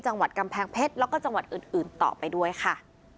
จังหวัดกำแพงเพชรแล้วก็จังหวัดอื่นต่อไปด้วยค่ะ